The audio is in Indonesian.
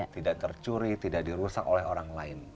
tidak tercuri tidak dirusak oleh orang lain